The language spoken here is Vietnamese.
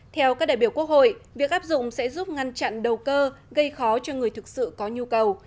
theo các đại biểu quốc hội việc áp dụng sẽ giúp ngăn chặn đầu cơ gây khó cho người thực sự có nhu cầu